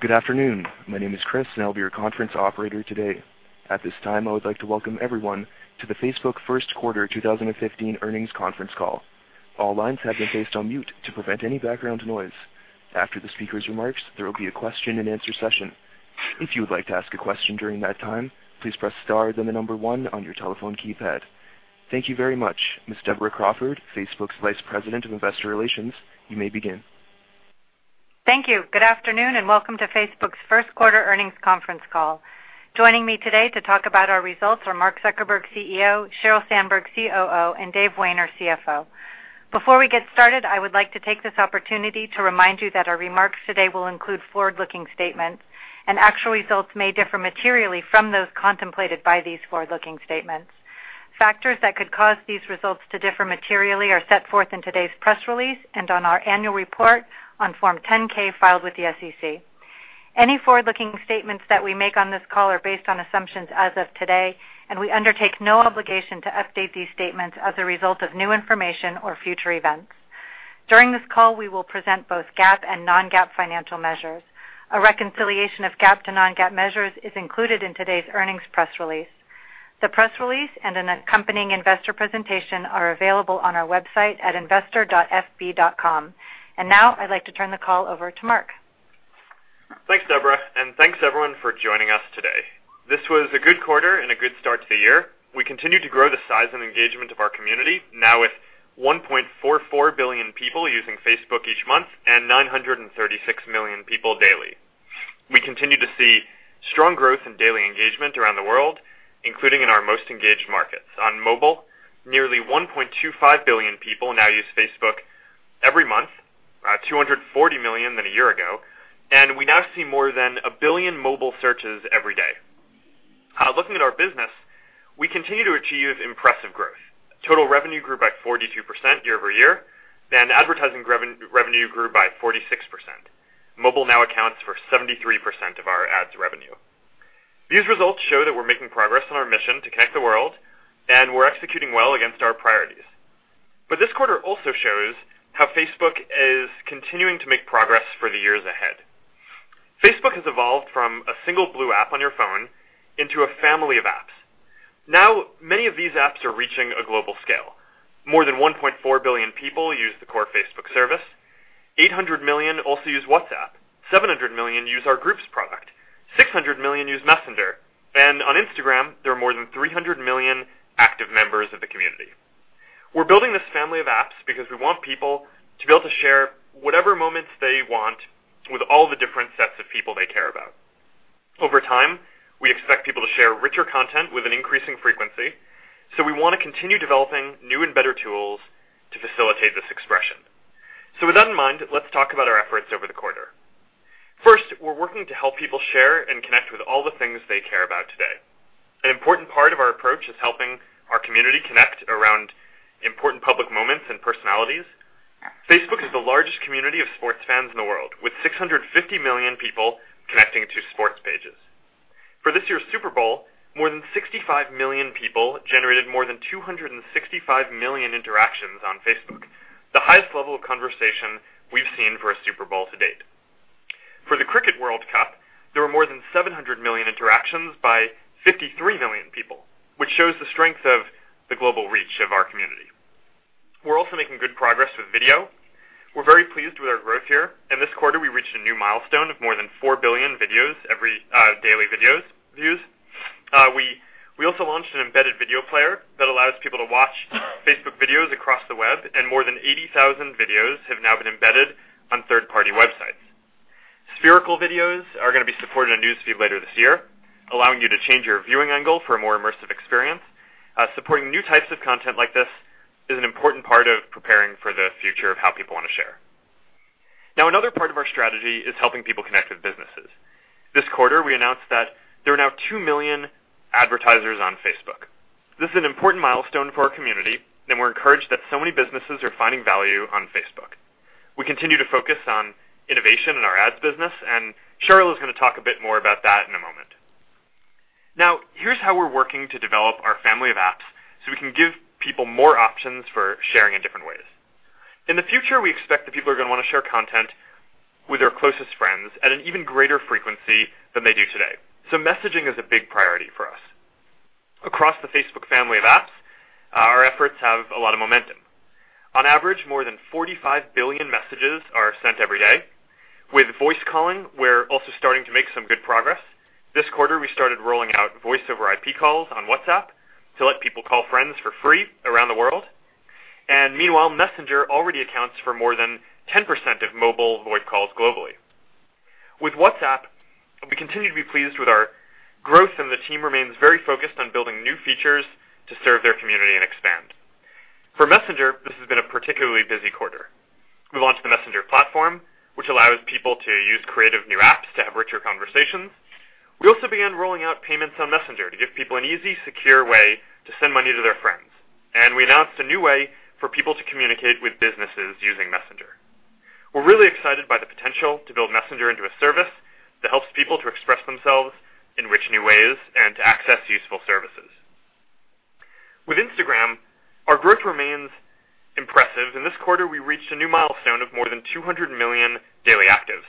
Good afternoon. My name is Chris, and I'll be your conference operator today. At this time, I would like to welcome everyone to the Facebook first quarter 2015 earnings conference call. All lines have been placed on mute to prevent any background noise. After the speaker's remarks, there will be a question and answer session. If you would like to ask a question during that time, please press star then the number one on your telephone keypad. Thank you very much. Ms. Deborah Crawford, Facebook's Vice President of Investor Relations, you may begin. Thank you. Good afternoon, and welcome to Facebook's first-quarter earnings conference call. Joining me today to talk about our results are Mark Zuckerberg, CEO, Sheryl Sandberg, COO, and Dave Wehner, CFO. Before we get started, I would like to take this opportunity to remind you that our remarks today will include forward-looking statements, and actual results may differ materially from those contemplated by these forward-looking statements. Factors that could cause these results to differ materially are set forth in today's press release and on our annual report on Form 10-K filed with the SEC. Any forward-looking statements that we make on this call are based on assumptions as of today, and we undertake no obligation to update these statements as a result of new information or future events. During this call, we will present both GAAP and non-GAAP financial measures. A reconciliation of GAAP to non-GAAP measures is included in today's earnings press release. The press release and an accompanying investor presentation are available on our website at investor.fb.com. Now, I'd like to turn the call over to Mark. Thanks, Deborah, and thanks everyone for joining us today. This was a good quarter and a good start to the year. We continued to grow the size and engagement of our community, now with 1.44 billion people using Facebook each month and 936 million people daily. We continue to see strong growth in daily engagement around the world, including in our most engaged markets. On mobile, nearly 1.25 billion people now use Facebook every month, 240 million than a year ago, and we now see more than a billion mobile searches every day. Looking at our business, we continue to achieve impressive growth. Total revenue grew by 42% year-over-year, and advertising revenue grew by 46%. Mobile now accounts for 73% of our ads revenue. These results show that we're making progress on our mission to connect the world, and we're executing well against our priorities. This quarter also shows how Facebook is continuing to make progress for the years ahead. Facebook has evolved from a single blue app on your phone into a family of apps. Many of these apps are reaching a global scale. More than 1.4 billion people use the core Facebook service. 800 million also use WhatsApp. 700 million use our Groups product. 600 million use Messenger, and on Instagram, there are more than 300 million active members of the community. We're building this family of apps because we want people to be able to share whatever moments they want with all the different sets of people they care about. Over time, we expect people to share richer content with an increasing frequency. We want to continue developing new and better tools to facilitate this expression. With that in mind, let's talk about our efforts over the quarter. First, we're working to help people share and connect with all the things they care about today. An important part of our approach is helping our community connect around important public moments and personalities. Facebook is the largest community of sports fans in the world, with 650 million people connecting to sports pages. For this year's Super Bowl, more than 65 million people generated more than 265 million interactions on Facebook, the highest level of conversation we've seen for a Super Bowl to date. For the Cricket World Cup, there were more than 700 million interactions by 53 million people, which shows the strength of the global reach of our community. We're also making good progress with video. We're very pleased with our growth here. In this quarter, we reached a new milestone of more than 4 billion daily videos views. We also launched an embedded video player that allows people to watch Facebook videos across the web, and more than 80,000 videos have now been embedded on third-party websites. Spherical videos are going to be supported on News Feed later this year, allowing you to change your viewing angle for a more immersive experience. Supporting new types of content like this is an important part of preparing for the future of how people want to share. Another part of our strategy is helping people connect with businesses. This quarter, we announced that there are now 2 million advertisers on Facebook. This is an important milestone for our community, and we're encouraged that so many businesses are finding value on Facebook. We continue to focus on innovation in our ads business. Sheryl is going to talk a bit more about that in a moment. Here's how we're working to develop our family of apps so we can give people more options for sharing in different ways. In the future, we expect that people are going to want to share content with their closest friends at an even greater frequency than they do today. Messaging is a big priority for us. Across the Facebook family of apps, our efforts have a lot of momentum. On average, more than 45 billion messages are sent every day. With voice calling, we're also starting to make some good progress. This quarter, we started rolling out voice-over-IP calls on WhatsApp to let people call friends for free around the world. Meanwhile, Messenger already accounts for more than 10% of mobile VoIP calls globally. With WhatsApp, we continue to be pleased with our growth, and the team remains very focused on building new features to serve their community and expand. For Messenger, this has been a particularly busy quarter. We launched the Messenger Platform, which allows people to use creative new apps to have richer conversations. We also began rolling out payments on Messenger to give people an easy, secure way to send money to their friends. We announced a new way for people to communicate with businesses using Messenger. We're really excited by the potential to build Messenger into a service that helps people to express themselves in rich new ways and to access useful services. Growth remains impressive. In this quarter, we reached a new milestone of more than 200 million daily actives.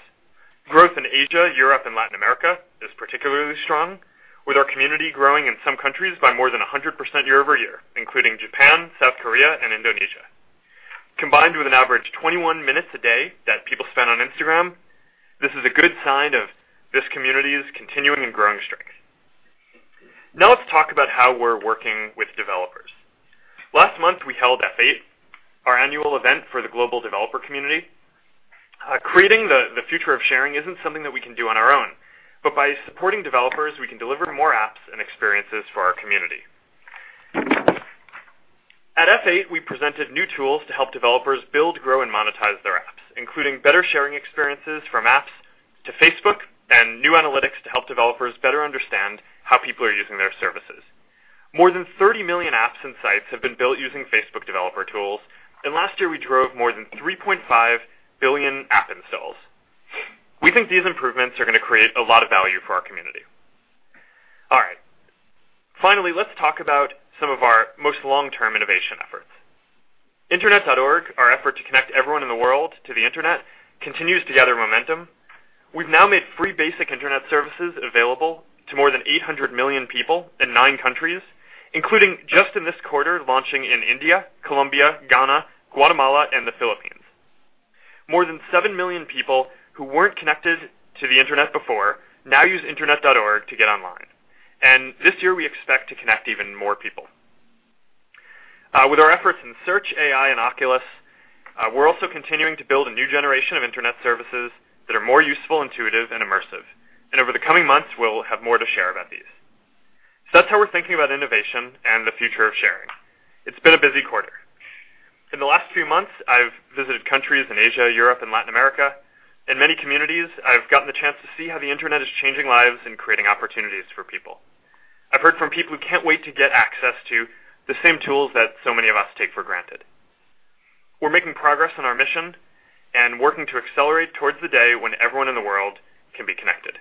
Growth in Asia, Europe, and Latin America is particularly strong, with our community growing in some countries by more than 100% year-over-year, including Japan, South Korea, and Indonesia. Combined with an average 21 minutes a day that people spend on Instagram, this is a good sign of this community's continuing and growing strength. Let's talk about how we're working with developers. Last month, we held F8, our annual event for the global developer community. Creating the future of sharing isn't something that we can do on our own, but by supporting developers, we can deliver more apps and experiences for our community. At F8, we presented new tools to help developers build, grow, and monetize their apps, including better sharing experiences from apps to Facebook and new analytics to help developers better understand how people are using their services. More than 30 million apps and sites have been built using Facebook developer tools, and last year we drove more than 3.5 billion app installs. We think these improvements are going to create a lot of value for our community. All right. Finally, let's talk about some of our most long-term innovation efforts. Internet.org, our effort to connect everyone in the world to the Internet, continues to gather momentum. We've now made free basic Internet services available to more than 800 million people in nine countries, including just in this quarter, launching in India, Colombia, Ghana, Guatemala, and the Philippines. More than 7 million people who weren't connected to the Internet before now use Internet.org to get online. This year, we expect to connect even more people. With our efforts in search, AI, and Oculus, we're also continuing to build a new generation of Internet services that are more useful, intuitive, and immersive. Over the coming months, we'll have more to share about these. That's how we're thinking about innovation and the future of sharing. It's been a busy quarter. In the last few months, I've visited countries in Asia, Europe, and Latin America. In many communities, I've gotten the chance to see how the Internet is changing lives and creating opportunities for people. I've heard from people who can't wait to get access to the same tools that so many of us take for granted. We're making progress on our mission and working to accelerate towards the day when everyone in the world can be connected.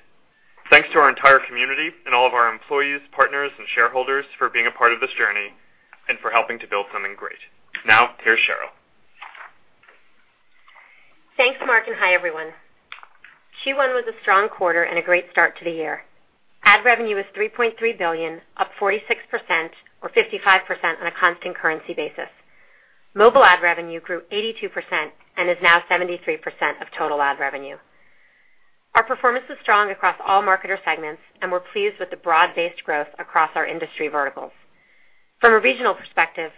Thanks to our entire community and all of our employees, partners, and shareholders for being a part of this journey and for helping to build something great. Now, here's Sheryl. Hi, everyone. Q1 was a strong quarter and a great start to the year. Ad revenue was $3.3 billion, up 46%, or 55% on a constant currency basis. Mobile ad revenue grew 82% and is now 73% of total ad revenue. Our performance was strong across all marketer segments, and we're pleased with the broad-based growth across our industry verticals. From a regional perspective,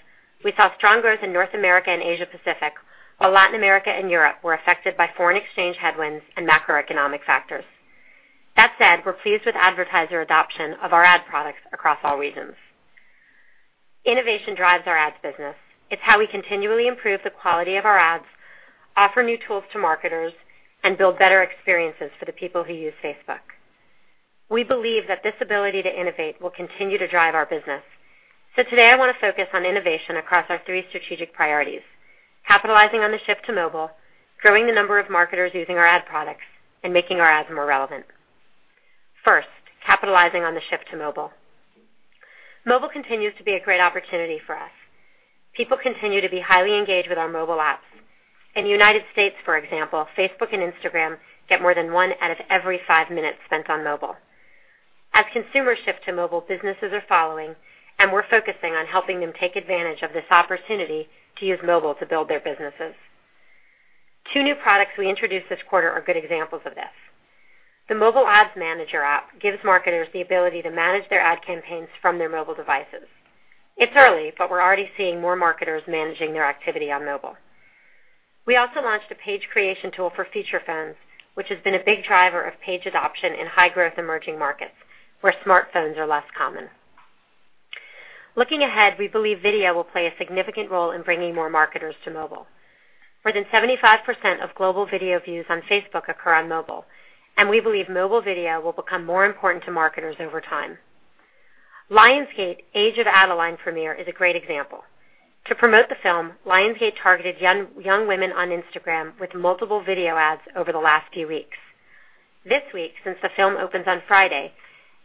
we saw strong growth in North America and Asia Pacific, while Latin America and Europe were affected by foreign exchange headwinds and macroeconomic factors. That said, we're pleased with advertiser adoption of our ad products across all regions. Innovation drives our ads business. It's how we continually improve the quality of our ads, offer new tools to marketers, and build better experiences for the people who use Facebook. We believe that this ability to innovate will continue to drive our business. Today, I want to focus on innovation across our three strategic priorities: capitalizing on the shift to mobile, growing the number of marketers using our ad products, and making our ads more relevant. First, capitalizing on the shift to mobile. Mobile continues to be a great opportunity for us. People continue to be highly engaged with our mobile apps. In the U.S., for example, Facebook and Instagram get more than one out of every five minutes spent on mobile. As consumers shift to mobile, businesses are following, and we're focusing on helping them take advantage of this opportunity to use mobile to build their businesses. Two new products we introduced this quarter are good examples of this. The Mobile Ads Manager app gives marketers the ability to manage their ad campaigns from their mobile devices. It's early, but we're already seeing more marketers managing their activity on mobile. We also launched a page creation tool for feature phones, which has been a big driver of page adoption in high-growth emerging markets where smartphones are less common. Looking ahead, we believe video will play a significant role in bringing more marketers to mobile. More than 75% of global video views on Facebook occur on mobile, and we believe mobile video will become more important to marketers over time. Lionsgate Age of Adaline premiere is a great example. To promote the film, Lionsgate targeted young women on Instagram with multiple video ads over the last few weeks. This week, since the film opens on Friday,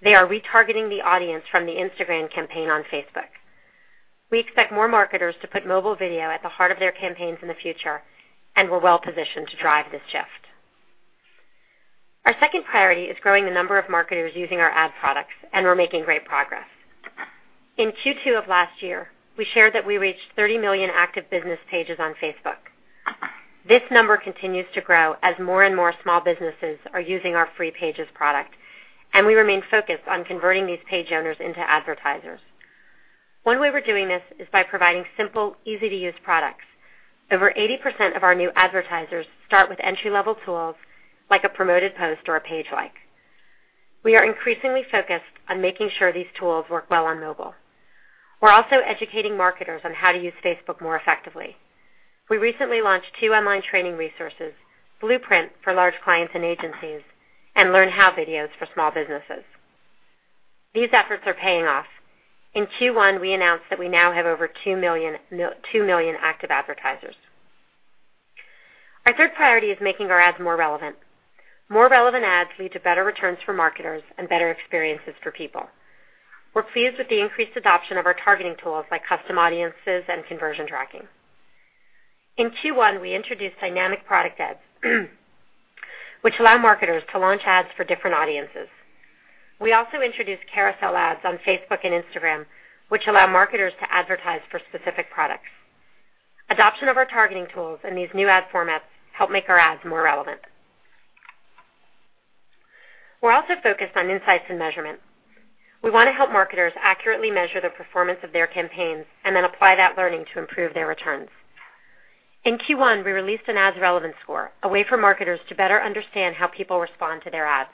they are retargeting the audience from the Instagram campaign on Facebook. We expect more marketers to put mobile video at the heart of their campaigns in the future, and we're well positioned to drive this shift. Our second priority is growing the number of marketers using our ad products, and we're making great progress. In Q2 of last year, we shared that we reached 30 million active business Pages on Facebook. This number continues to grow as more and more small businesses are using our free Pages product, and we remain focused on converting these Page owners into advertisers. One way we're doing this is by providing simple, easy-to-use products. Over 80% of our new advertisers start with entry-level tools like a promoted post or a Page like. We are increasingly focused on making sure these tools work well on mobile. We're also educating marketers on how to use Facebook more effectively. We recently launched two online training resources, Blueprint for large clients and agencies, and Learn How videos for small businesses. These efforts are paying off. In Q1, we announced that we now have over 2 million active advertisers. Our third priority is making our ads more relevant. More relevant ads lead to better returns for marketers and better experiences for people. We're pleased with the increased adoption of our targeting tools like Custom Audiences and conversion tracking. In Q1, we introduced dynamic product ads, which allow marketers to launch ads for different audiences. We also introduced carousel ads on Facebook and Instagram, which allow marketers to advertise for specific products. Adoption of our targeting tools and these new ad formats help make our ads more relevant. We're also focused on insights and measurement. We want to help marketers accurately measure the performance of their campaigns and then apply that learning to improve their returns. In Q1, we released an ads relevance score, a way for marketers to better understand how people respond to their ads.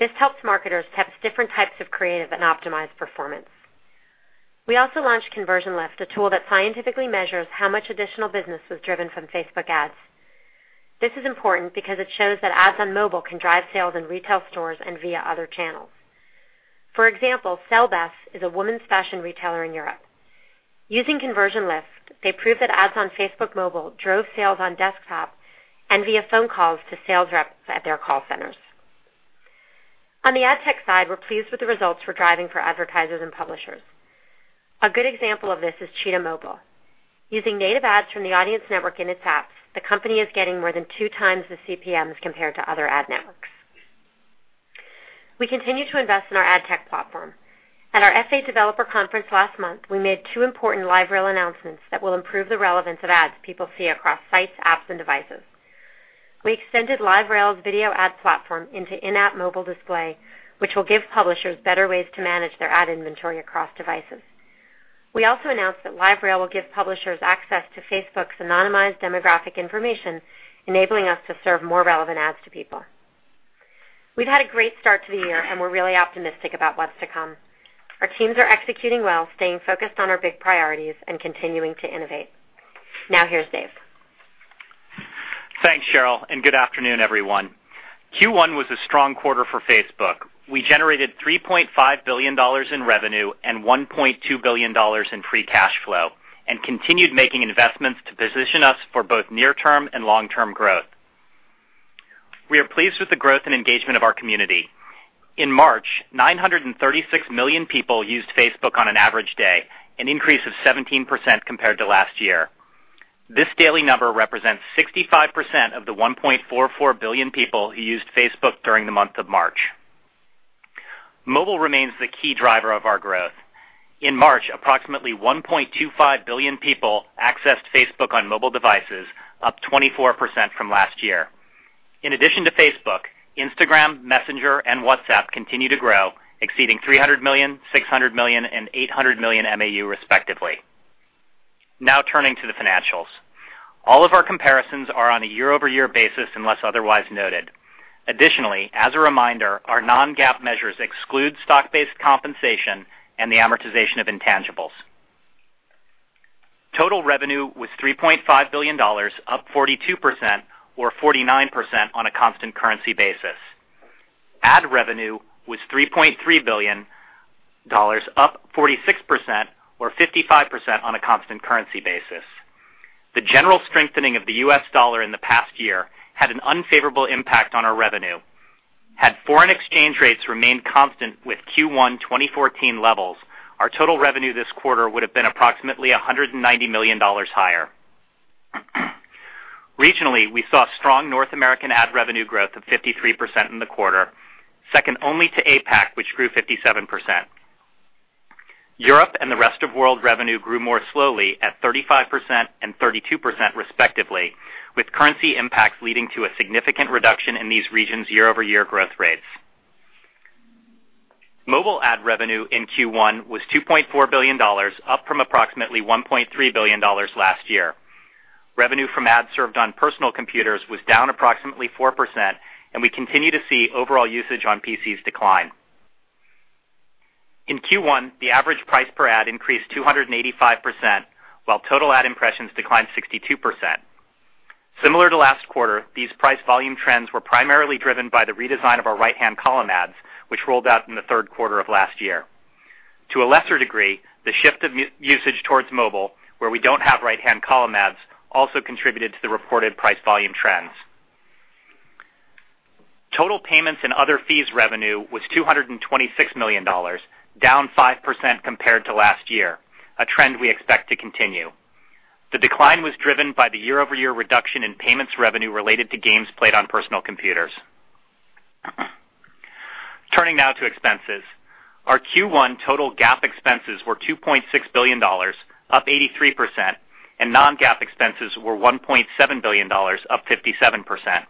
This helps marketers test different types of creative and optimized performance. We also launched Conversion Lift, a tool that scientifically measures how much additional business was driven from Facebook ads. This is important because it shows that ads on mobile can drive sales in retail stores and via other channels. For example, Cellbes is a women's fashion retailer in Europe. Using Conversion Lift, they proved that ads on Facebook mobile drove sales on desktop and via phone calls to sales reps at their call centers. On the ad tech side, we're pleased with the results we're driving for advertisers and publishers. A good example of this is Cheetah Mobile. Using native ads from the Audience Network in its apps, the company is getting more than 2 times the CPMs compared to other ad networks. We continue to invest in our ad tech platform. At our F8 developer conference last month, we made two important LiveRail announcements that will improve the relevance of ads people see across sites, apps, and devices. We extended LiveRail's video ad platform into in-app mobile display, which will give publishers better ways to manage their ad inventory across devices. We also announced that LiveRail will give publishers access to Facebook's anonymized demographic information, enabling us to serve more relevant ads to people. We've had a great start to the year, and we're really optimistic about what's to come. Our teams are executing well, staying focused on our big priorities, and continuing to innovate. Now here's Dave. Thanks, Sheryl, and good afternoon, everyone. Q1 was a strong quarter for Facebook. We generated $3.5 billion in revenue and $1.2 billion in free cash flow, and continued making investments to position us for both near-term and long-term growth. We are pleased with the growth and engagement of our community. In March, 936 million people used Facebook on an average day, an increase of 17% compared to last year. This daily number represents 65% of the 1.44 billion people who used Facebook during the month of March. Mobile remains the key driver of our growth. In March, approximately 1.25 billion people accessed Facebook on mobile devices, up 24% from last year. In addition to Facebook, Instagram, Messenger, and WhatsApp continue to grow, exceeding 300 million, 600 million, and 800 million MAU respectively. Turning to the financials. All of our comparisons are on a year-over-year basis unless otherwise noted. Additionally, as a reminder, our non-GAAP measures exclude stock-based compensation and the amortization of intangibles. Total revenue was $3.5 billion, up 42%, or 49% on a constant currency basis. Ad revenue was $3.3 billion, up 46%, or 55% on a constant currency basis. The general strengthening of the U.S. dollar in the past year had an unfavorable impact on our revenue. Had foreign exchange rates remained constant with Q1 2014 levels, our total revenue this quarter would have been approximately $190 million higher. Regionally, we saw strong North American ad revenue growth of 53% in the quarter, second only to APAC, which grew 57%. Europe and the rest of world revenue grew more slowly at 35% and 32% respectively, with currency impacts leading to a significant reduction in these regions' year-over-year growth rates. Mobile ad revenue in Q1 was $2.4 billion, up from approximately $1.3 billion last year. Revenue from ads served on personal computers was down approximately 4%, and we continue to see overall usage on PCs decline. In Q1, the average price per ad increased 285%, while total ad impressions declined 62%. Similar to last quarter, these price-volume trends were primarily driven by the redesign of our right-hand column ads, which rolled out in the third quarter of last year. To a lesser degree, the shift of usage towards mobile, where we don't have right-hand column ads, also contributed to the reported price-volume trends. Total payments and other fees revenue was $226 million, down 5% compared to last year, a trend we expect to continue. The decline was driven by the year-over-year reduction in payments revenue related to games played on personal computers. Turning to expenses. Our Q1 total GAAP expenses were $2.6 billion, up 83%, and non-GAAP expenses were $1.7 billion, up 57%.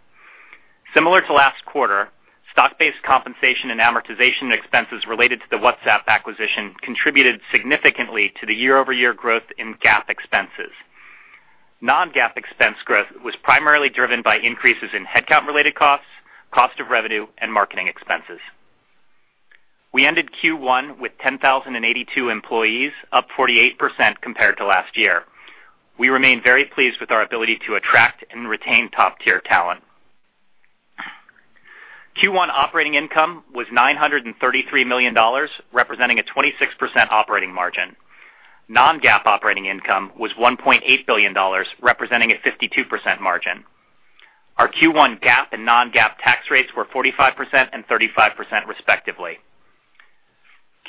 Similar to last quarter, stock-based compensation and amortization expenses related to the WhatsApp acquisition contributed significantly to the year-over-year growth in GAAP expenses. Non-GAAP expense growth was primarily driven by increases in headcount-related costs, cost of revenue, and marketing expenses. We ended Q1 with 10,082 employees, up 48% compared to last year. We remain very pleased with our ability to attract and retain top-tier talent. Q1 operating income was $933 million, representing a 26% operating margin. Non-GAAP operating income was $1.8 billion, representing a 52% margin. Our Q1 GAAP and non-GAAP tax rates were 45% and 35%, respectively.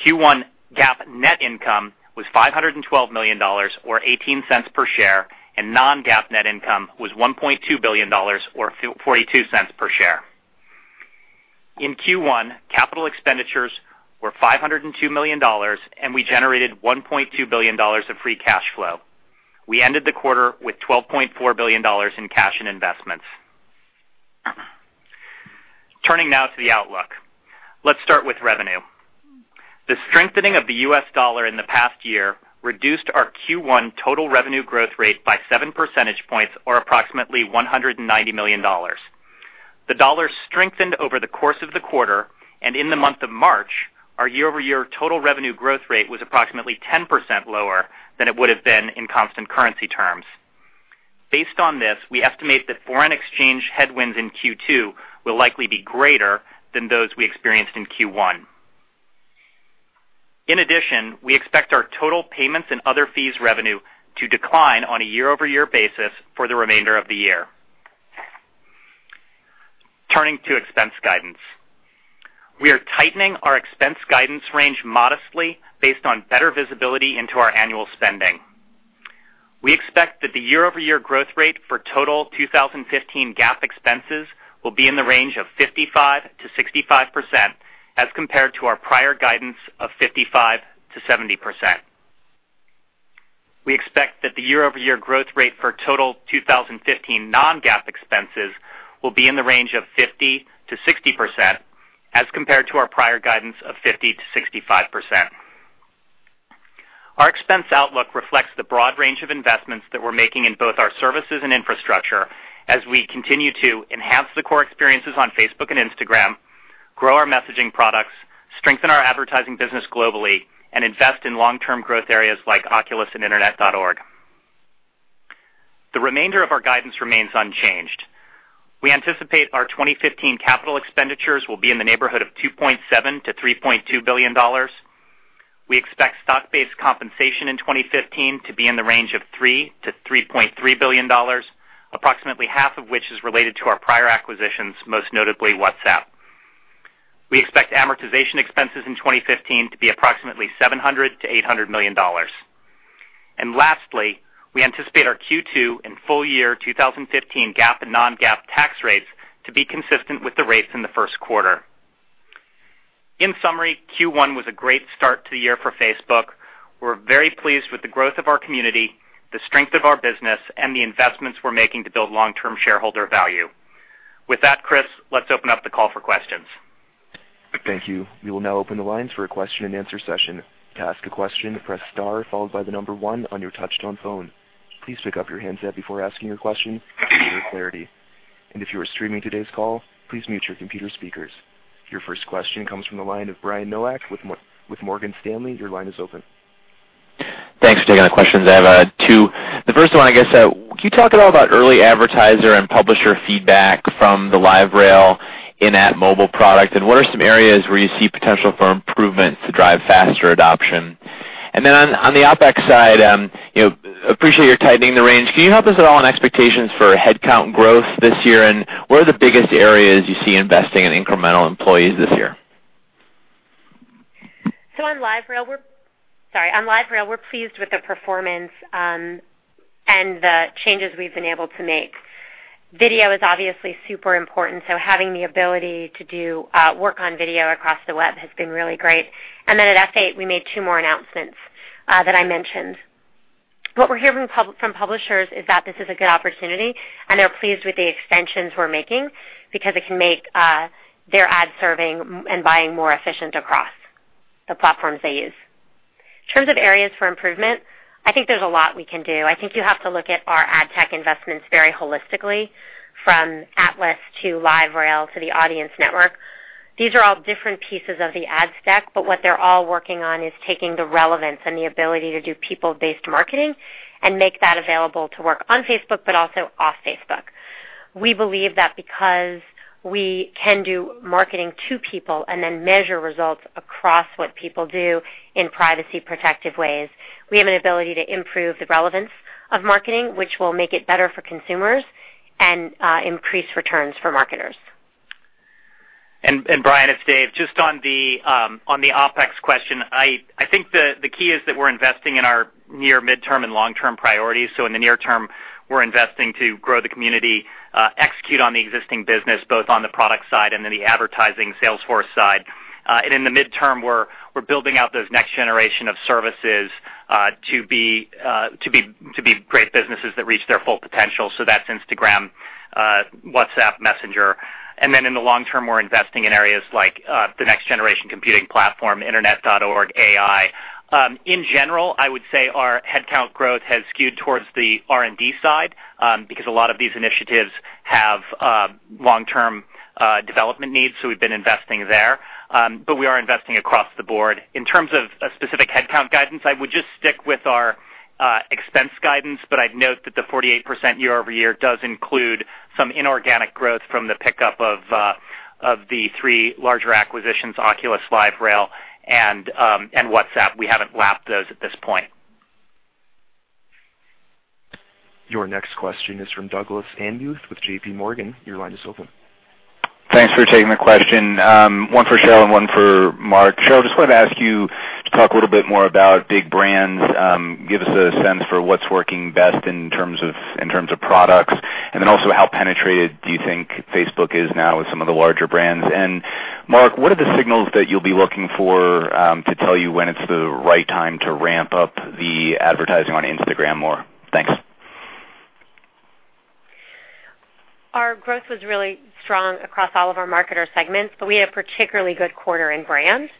Q1 GAAP net income was $512 million, or $0.18 per share, and non-GAAP net income was $1.2 billion or $0.42 per share. In Q1, capital expenditures were $502 million, and we generated $1.2 billion of free cash flow. We ended the quarter with $12.4 billion in cash and investments. Turning now to the outlook. Let's start with revenue. The strengthening of the U.S. dollar in the past year reduced our Q1 total revenue growth rate by 7 percentage points, or approximately $190 million. The dollar strengthened over the course of the quarter, and in the month of March, our year-over-year total revenue growth rate was approximately 10% lower than it would have been in constant currency terms. Based on this, we estimate that foreign exchange headwinds in Q2 will likely be greater than those we experienced in Q1. In addition, we expect our total payments and other fees revenue to decline on a year-over-year basis for the remainder of the year. Turning to expense guidance. We are tightening our expense guidance range modestly based on better visibility into our annual spending. We expect that the year-over-year growth rate for total 2015 GAAP expenses will be in the range of 55%-65%, as compared to our prior guidance of 55%-70%. We expect that the year-over-year growth rate for total 2015 non-GAAP expenses will be in the range of 50%-60%, as compared to our prior guidance of 50%-65%. Our expense outlook reflects the broad range of investments that we're making in both our services and infrastructure as we continue to enhance the core experiences on Facebook and Instagram, grow our messaging products, strengthen our advertising business globally, and invest in long-term growth areas like Oculus and Internet.org. The remainder of our guidance remains unchanged. We anticipate our 2015 capital expenditures will be in the neighborhood of $2.7 billion-$3.2 billion. We expect stock-based compensation in 2015 to be in the range of $3 billion-$3.3 billion, approximately half of which is related to our prior acquisitions, most notably WhatsApp. We expect amortization expenses in 2015 to be approximately $700 million-$800 million. Lastly, we anticipate our Q2 and full year 2015 GAAP and non-GAAP tax rates to be consistent with the rates in the first quarter. In summary, Q1 was a great start to the year for Facebook. We're very pleased with the growth of our community, the strength of our business, and the investments we're making to build long-term shareholder value. With that, Chris, let's open up the call for questions. Thank you. We will now open the lines for a question-and-answer session. To ask a question, press star followed by the number one on your touchtone phone. Please pick up your handset before asking your question for better clarity. If you are streaming today's call, please mute your computer speakers. Your first question comes from the line of Brian Nowak with Morgan Stanley. Your line is open. Thanks for taking the questions. I have two. The first one, I guess, can you talk at all about early advertiser and publisher feedback from the LiveRail in-app mobile product? What are some areas where you see potential for improvement to drive faster adoption? On the OpEx side, appreciate your tightening the range. Can you help us at all on expectations for headcount growth this year? What are the biggest areas you see investing in incremental employees this year? On LiveRail, we're pleased with the performance and the changes we've been able to make. Video is obviously super important, so having the ability to do work on video across the web has been really great. At F8, we made two more announcements that I mentioned. What we're hearing from publishers is that this is a good opportunity, and they're pleased with the extensions we're making because it can make their ad serving and buying more efficient across the platforms they use. In terms of areas for improvement, I think there's a lot we can do. I think you have to look at our ad tech investments very holistically, from Atlas to LiveRail to the Audience Network. These are all different pieces of the ad stack, but what they're all working on is taking the relevance and the ability to do people-based marketing and make that available to work on Facebook but also off Facebook. We believe that because we can do marketing to people and then measure results across what people do in privacy-protective ways, we have an ability to improve the relevance of marketing, which will make it better for consumers and increase returns for marketers. Brian, it's Dave. Just on the OpEx question, I think the key is that we're investing in our near, midterm, and long-term priorities. In the near term, we're investing to grow the community, execute on the existing business, both on the product side and the advertising sales force side. In the midterm, we're building out those next generation of services to be great businesses that reach their full potential. That's Instagram, WhatsApp, Messenger. In the long term, we're investing in areas like the next-generation computing platform, Internet.org, AI. In general, I would say our headcount growth has skewed towards the R&D side because a lot of these initiatives have long-term development needs, so we've been investing there. We are investing across the board. In terms of a specific headcount guidance, I would just stick with our Expense guidance, but I'd note that the 48% year-over-year does include some inorganic growth from the pickup of the three larger acquisitions, Oculus, LiveRail, and WhatsApp. We haven't lapped those at this point. Your next question is from Douglas Anmuth with J.P. Morgan. Your line is open. Thanks for taking the question. One for Sheryl and one for Mark. Sheryl, just wanted to ask you to talk a little bit more about big brands. Give us a sense for what's working best in terms of products, and then also how penetrated do you think Facebook is now with some of the larger brands? Mark, what are the signals that you'll be looking for to tell you when it's the right time to ramp up the advertising on Instagram more? Thanks. Our growth was really strong across all of our marketer segments, but we had a particularly good quarter in brands,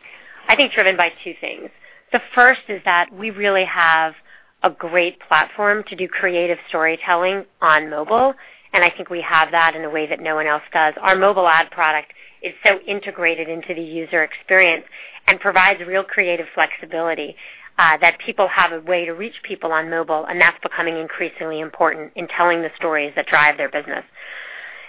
I think driven by two things. The first is that we really have a great platform to do creative storytelling on mobile, and I think we have that in a way that no one else does. Our mobile ad product is so integrated into the user experience and provides real creative flexibility that people have a way to reach people on mobile, and that's becoming increasingly important in telling the stories that drive their business.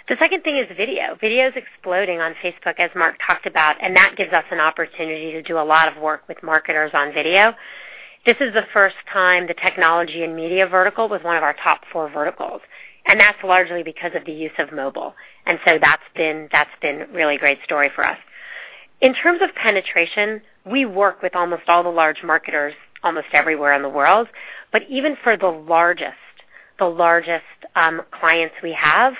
The second thing is video. Video's exploding on Facebook, as Mark talked about, and that gives us an opportunity to do a lot of work with marketers on video. This is the first time the technology and media vertical was one of our top four verticals, and that's largely because of the use of mobile. That's been really great story for us. In terms of penetration, we work with almost all the large marketers almost everywhere in the world, but even for the largest clients we have,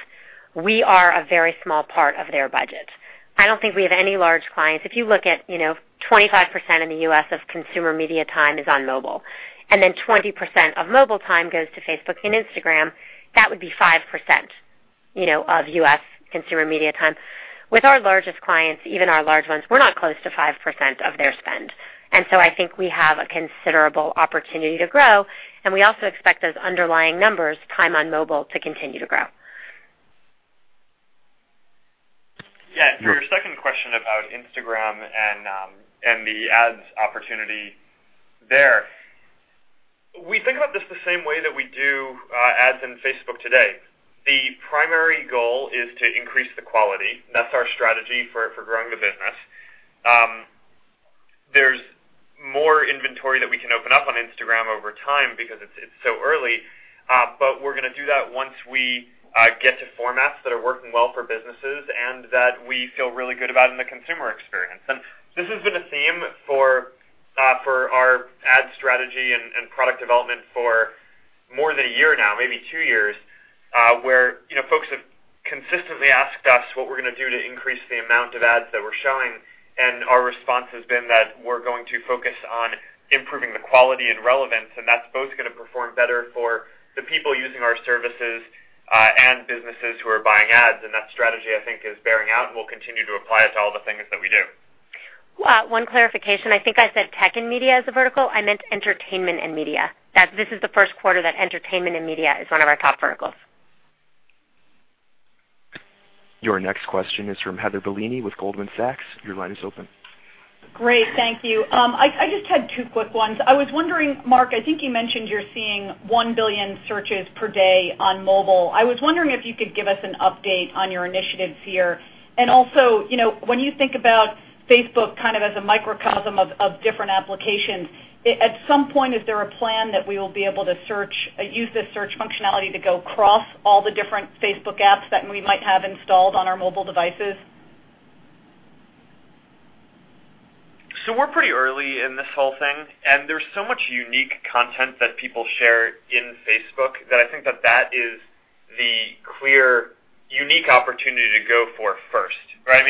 we are a very small part of their budget. I don't think we have any large clients. If you look at 25% in the U.S. of consumer media time is on mobile, then 20% of mobile time goes to Facebook and Instagram, that would be 5% of U.S. consumer media time. With our largest clients, even our large ones, we're not close to 5% of their spend. I think we have a considerable opportunity to grow, and we also expect those underlying numbers, time on mobile, to continue to grow. Yeah. For your second question about Instagram and the ads opportunity there, we think about this the same way that we do ads in Facebook today. The primary goal is to increase the quality. That's our strategy for growing the business. There's more inventory that we can open up on Instagram over time because it's so early. We're going to do that once we get to formats that are working well for businesses and that we feel really good about in the consumer experience. This has been a theme for our ad strategy and product development for more than a year now, maybe two years, where folks have consistently asked us what we're going to do to increase the amount of ads that we're showing. Our response has been that we're going to focus on improving the quality and relevance. That's both going to perform better for the people using our services, and businesses who are buying ads. That strategy, I think, is bearing out, and we'll continue to apply it to all the things that we do. One clarification. I think I said tech and media as a vertical. I meant entertainment and media. This is the first quarter that entertainment and media is one of our top verticals. Your next question is from Heather Bellini with Goldman Sachs. Your line is open. Great. Thank you. I just had two quick ones. I was wondering, Mark, I think you mentioned you're seeing 1 billion searches per day on mobile. I was wondering if you could give us an update on your initiatives here. Also, when you think about Facebook kind of as a microcosm of different applications, at some point, is there a plan that we will be able to use the search functionality to go across all the different Facebook apps that we might have installed on our mobile devices? We're pretty early in this whole thing, and there's so much unique content that people share in Facebook that I think that that is the clear, unique opportunity to go for first, right?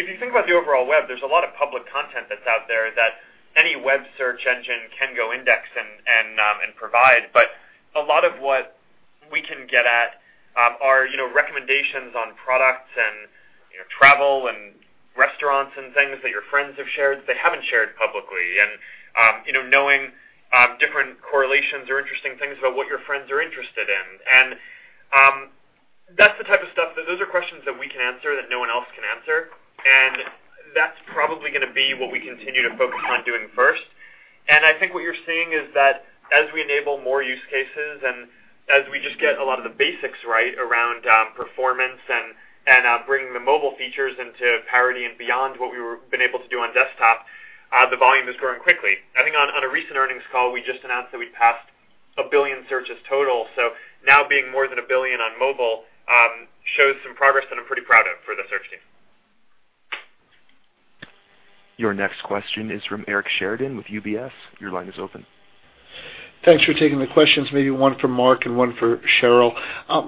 If you think about the overall web, there's a lot of public content that's out there that any web search engine can go index and provide. A lot of what we can get at are recommendations on products and travel and restaurants and things that your friends have shared that haven't shared publicly and knowing different correlations or interesting things about what your friends are interested in. Those are questions that we can answer that no one else can answer, and that's probably going to be what we continue to focus on doing first. I think what you're seeing is that as we enable more use cases and as we just get a lot of the basics right around performance and bringing the mobile features into parity and beyond what we've been able to do on desktop, the volume is growing quickly. I think on a recent earnings call, we just announced that we passed 1 billion searches total. Now being more than 1 billion on mobile shows some progress that I'm pretty proud of for the search team. Your next question is from Eric Sheridan with UBS. Your line is open. Thanks for taking the questions. Maybe one for Mark and one for Sheryl.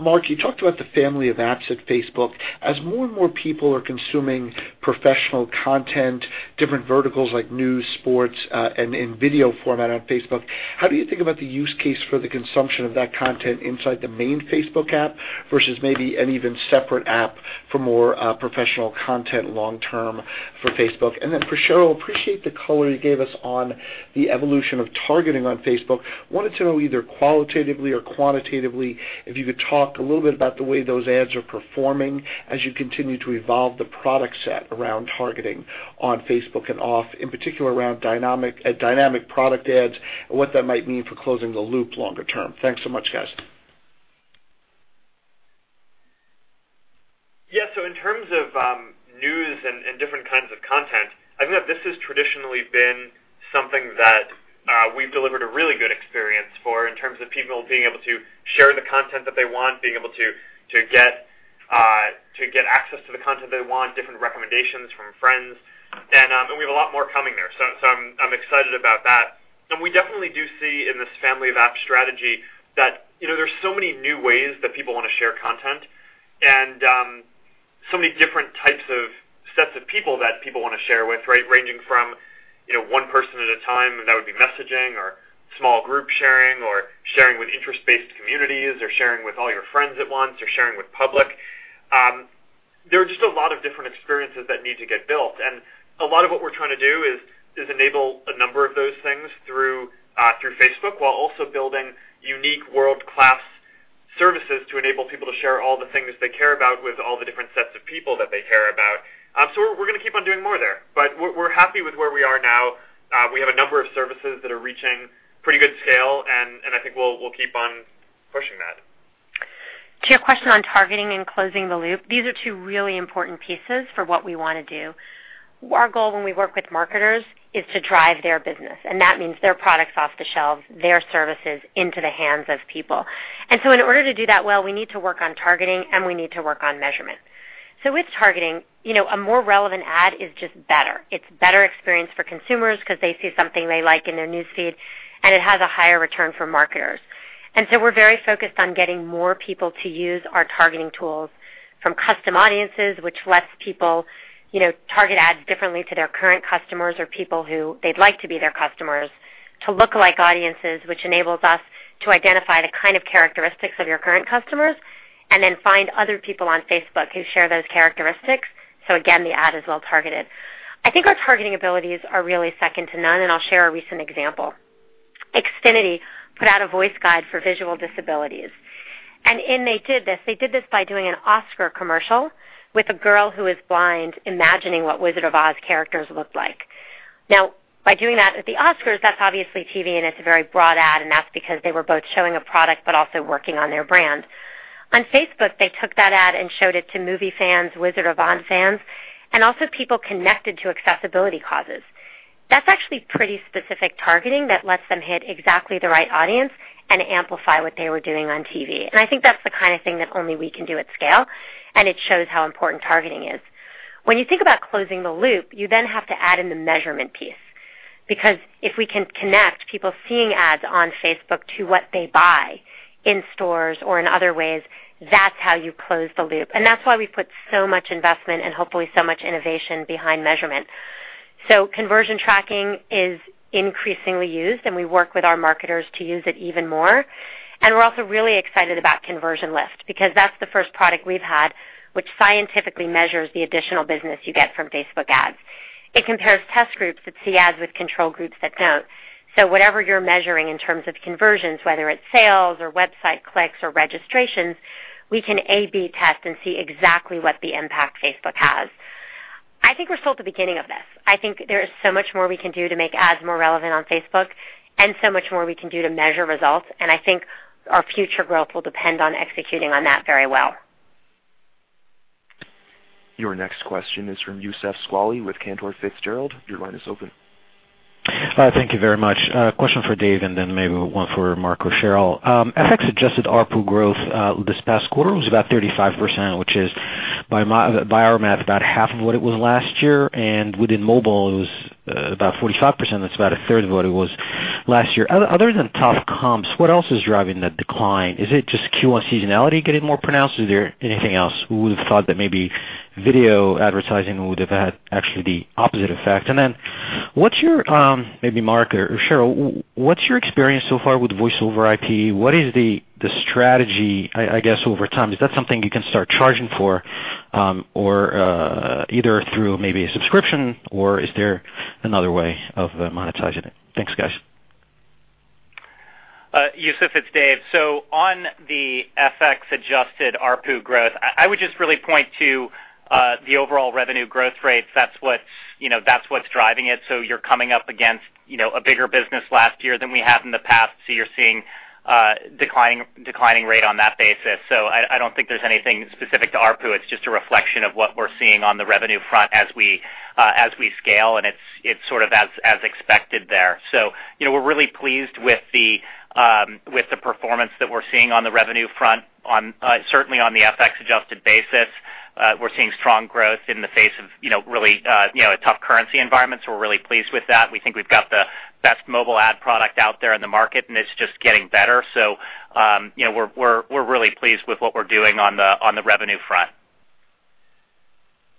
Mark, you talked about the family of apps at Facebook. As more and more people are consuming professional content, different verticals like news, sports, and in video format on Facebook, how do you think about the use case for the consumption of that content inside the main Facebook app versus maybe an even separate app for more professional content long term for Facebook? For Sheryl, appreciate the color you gave us on the evolution of targeting on Facebook. Wanted to know either qualitatively or quantitatively, if you could talk a little bit about the way those ads are performing as you continue to evolve the product set around targeting on Facebook and off, in particular around dynamic product ads and what that might mean for closing the loop longer term. Thanks so much, guys. Yes. In terms of news and different kinds of content, I think that this has traditionally been something that we've delivered a really good experience for in terms of people being able to share the content that they want, being able to get access to the content they want, different recommendations from friends. We have a lot more coming there. I'm excited about that. We definitely do see in this family of app strategy that there's so many new ways that people want to share content and so many different types of sets of people that people want to share with, ranging from one person at a time, and that would be messaging or small group sharing, or sharing with interest-based communities, or sharing with all your friends at once, or sharing with public. There are just a lot of different experiences that need to get built, and a lot of what we're trying to do is enable a number of those things through Facebook, while also building unique world-class services to enable people to share all the things they care about with all the different sets of people that they care about. We're going to keep on doing more there. We're happy with where we are now. We have a number of services that are reaching pretty good scale, and I think we'll keep on pushing that. To your question on targeting and closing the loop, these are two really important pieces for what we want to do. Our goal when we work with marketers is to drive their business, and that means their products off the shelves, their services into the hands of people. In order to do that well, we need to work on targeting, and we need to work on measurement. With targeting, a more relevant ad is just better. It's a better experience for consumers because they see something they like in their News Feed, and it has a higher return for marketers. We're very focused on getting more people to use our targeting tools from Custom Audiences, which lets people target ads differently to their current customers or people who they'd like to be their customers, to Lookalike Audiences, which enables us to identify the kind of characteristics of your current customers and then find other people on Facebook who share those characteristics. Again, the ad is well targeted. I think our targeting abilities are really second to none, and I'll share a recent example. Xfinity put out a voice guide for visual disabilities, and they did this by doing an Oscar commercial with a girl who is blind imagining what "Wizard of Oz" characters looked like. By doing that at the Oscars, that's obviously TV, and it's a very broad ad, and that's because they were both showing a product but also working on their brand. On Facebook, they took that ad and showed it to movie fans, Wizard of Oz fans, and also people connected to accessibility causes. That's actually pretty specific targeting that lets them hit exactly the right audience and amplify what they were doing on TV. I think that's the kind of thing that only we can do at scale, and it shows how important targeting is. When you think about closing the loop, you then have to add in the measurement piece, because if we can connect people seeing ads on Facebook to what they buy in stores or in other ways, that's how you close the loop. That's why we put so much investment and hopefully so much innovation behind measurement. Conversion tracking is increasingly used, and we work with our marketers to use it even more. We're also really excited about Conversion Lift, because that's the first product we've had which scientifically measures the additional business you get from Facebook ads. It compares test groups that see ads with control groups that don't. Whatever you're measuring in terms of conversions, whether it's sales or website clicks or registrations, we can A/B test and see exactly what impact Facebook has. I think we're still at the beginning of this. I think there is so much more we can do to make ads more relevant on Facebook and so much more we can do to measure results. I think our future growth will depend on executing on that very well. Your next question is from Youssef Squali with Cantor Fitzgerald. Your line is open. Thank you very much. A question for Dave, then maybe one for Mark or Sheryl. FX-adjusted ARPU growth this past quarter was about 35%, which is, by our math, about half of what it was last year, and within mobile, it was about 45%. That's about a third of what it was last year. Other than tough comps, what else is driving the decline? Is it just Q1 seasonality getting more pronounced, or is there anything else? Who would have thought that maybe video advertising would have had actually the opposite effect? Then maybe Mark or Sheryl, what's your experience so far with voice-over IP? What is the strategy, I guess, over time? Is that something you can start charging for, either through maybe a subscription, or is there another way of monetizing it? Thanks, guys. Youssef, it's Dave. On the FX-adjusted ARPU growth, I would just really point to the overall revenue growth rates. That's what's driving it. You're coming up against a bigger business last year than we have in the past. You're seeing a declining rate on that basis. I don't think there's anything specific to ARPU. It's just a reflection of what we're seeing on the revenue front as we scale, and it's sort of as expected there. We're really pleased with the performance that we're seeing on the revenue front. Certainly on the FX-adjusted basis, we're seeing strong growth in the face of really a tough currency environment. We're really pleased with that. We think we've got the best mobile ad product out there in the market, and it's just getting better. We're really pleased with what we're doing on the revenue front.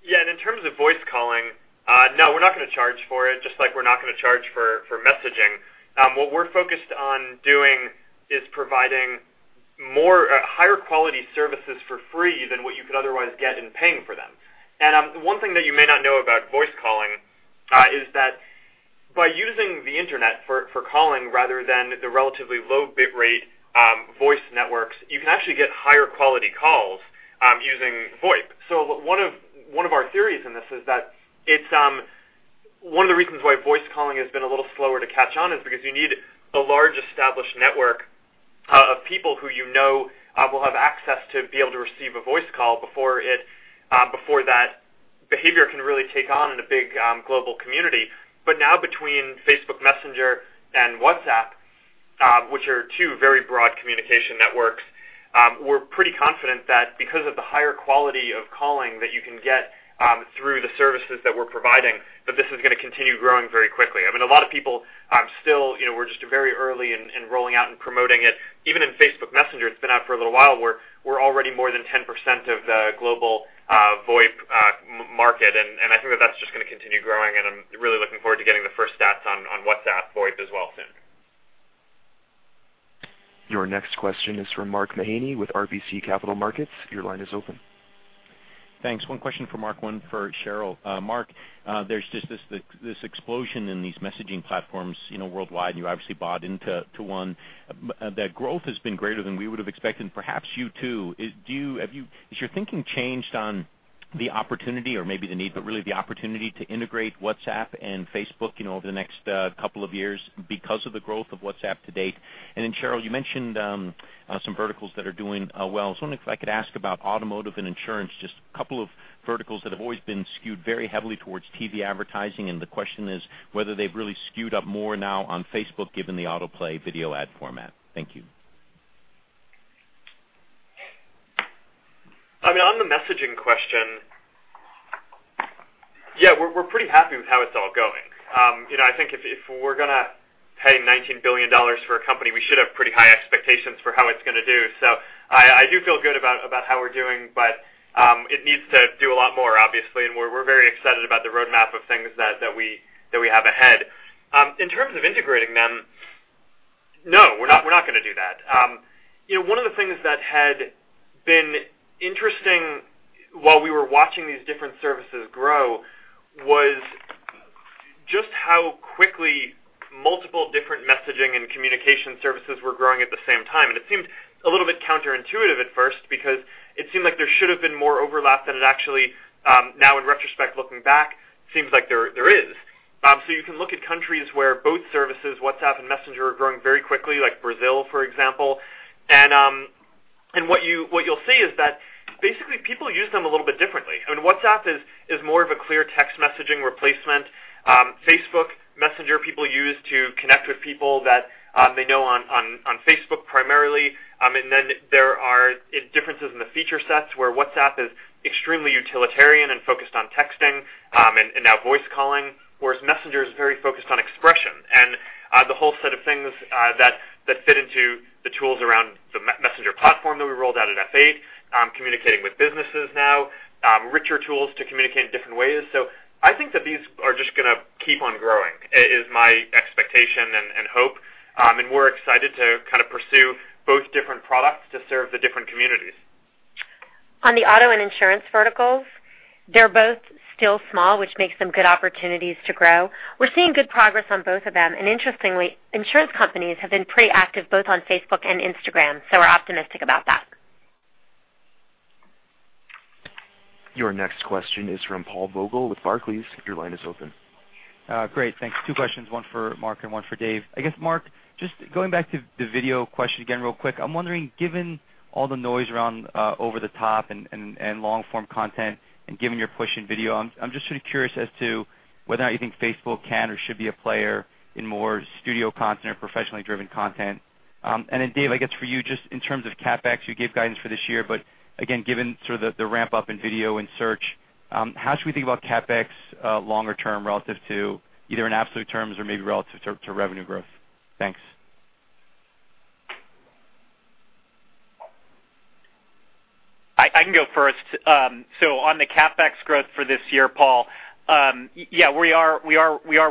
Yeah, in terms of voice calling, no, we're not going to charge for it, just like we're not going to charge for messaging. What we're focused on doing is providing higher quality services for free than what you could otherwise get in paying for them. One thing that you may not know about voice calling is that by using the internet for calling rather than the relatively low bit rate voice networks, you can actually get higher quality calls using VoIP. One of our theories in this is that it's One of the reasons why voice calling has been a little slower to catch on is because you need a large established network of people who you know will have access to be able to receive a voice call before that behavior can really take on in a big global community. Now between Messenger and WhatsApp, which are two very broad communication networks, we're pretty confident that because of the higher quality of calling that you can get through the services that we're providing, that this is going to continue growing very quickly. A lot of people still, we're just very early in rolling out and promoting it. Even in Messenger, it's been out for a little while. We're already more than 10% of the global VoIP market, and I think that's just going to continue growing, and I'm really looking forward to getting the first stats on WhatsApp VoIP as well soon. Your next question is from Mark Mahaney with RBC Capital Markets. Your line is open. Thanks. One question for Mark, one for Sheryl. Mark, there's just this explosion in these messaging platforms worldwide, you obviously bought into one. That growth has been greater than we would have expected, and perhaps you too. Has your thinking changed on the opportunity, or maybe the need, but really the opportunity to integrate WhatsApp and Facebook over the next couple of years because of the growth of WhatsApp to date? Then Sheryl, you mentioned some verticals that are doing well. I was wondering if I could ask about automotive and insurance, just a couple of verticals that have always been skewed very heavily towards TV advertising. The question is whether they've really skewed up more now on Facebook, given the autoplay video ad format. Thank you. On the messaging question, yeah, we're pretty happy with how it's all going. I think if we're going to pay $19 billion for a company, we should have pretty high expectations for how it's going to do. I do feel good about how we're doing, but it needs to do a lot more, obviously, we're very excited about the roadmap of things that we have ahead. In terms of integrating them, no, we're not going to do that. One of the things that had been interesting while we were watching these different services grow was just how quickly multiple different messaging and communication services were growing at the same time. It seemed a little bit counterintuitive at first because it seemed like there should have been more overlap than it actually, now in retrospect, looking back, seems like there is. You can look at countries where both services, WhatsApp and Messenger, are growing very quickly, like Brazil, for example. What you'll see is that basically people use them a little bit differently. WhatsApp is more of a clear text messaging replacement. Facebook Messenger, people use to connect with people that they know on Facebook primarily. There are differences in the feature sets where WhatsApp is extremely utilitarian and focused on texting and now voice calling, whereas Messenger is very focused on expression. The whole set of things that fit into the tools around the Messenger Platform that we rolled out at F8, communicating with businesses now, richer tools to communicate in different ways. I think that these are just going to keep on growing, is my expectation and hope. We're excited to kind of pursue both different products to serve the different communities. On the auto and insurance verticals, they're both still small, which makes them good opportunities to grow. We're seeing good progress on both of them. Interestingly, insurance companies have been pretty active both on Facebook and Instagram, we're optimistic about that. Your next question is from Paul Vogel with Barclays. Your line is open. Great. Thanks. Two questions, one for Mark and one for Dave. Mark, just going back to the video question again real quick. I'm wondering, given all the noise around over-the-top and long-form content, given your push in video, I'm just sort of curious as to whether or not you think Facebook can or should be a player in more studio content or professionally driven content. Dave, just in terms of CapEx, you gave guidance for this year, again, given sort of the ramp-up in video and search, how should we think about CapEx longer term relative to either in absolute terms or maybe relative to revenue growth? Thanks. I can go first. On the CapEx growth for this year, Paul, yeah, we are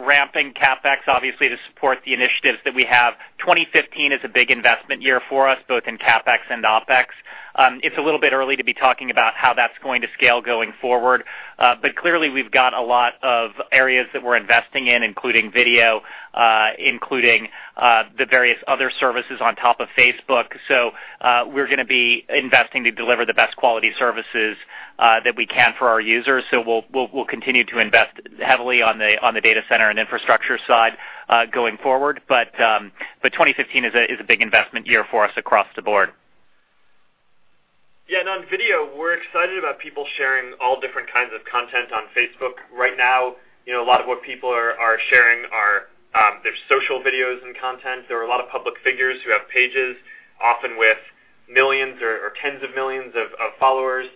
ramping CapEx obviously to support the initiatives that we have. 2015 is a big investment year for us, both in CapEx and OpEx. It's a little bit early to be talking about how that's going to scale going forward. Clearly, we've got a lot of areas that we're investing in, including video, including the various other services on top of Facebook. We're going to be investing to deliver the best quality services that we can for our users. We'll continue to invest heavily on the data center and infrastructure side going forward. 2015 is a big investment year for us across the board. On video, we're excited about people sharing all different kinds of content on Facebook. Right now, a lot of what people are sharing are their social videos and content. There are a lot of public figures who have pages, often with millions or tens of millions of followers,